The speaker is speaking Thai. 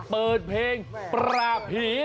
เปิดเพลงปราบผี